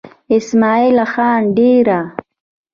اسمعيل خان ديره